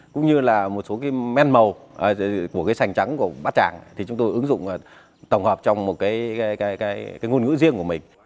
cũng như là một số men màu của sành trắng của bát tràng thì chúng tôi ứng dụng tổng hợp trong một ngôn ngữ riêng của mình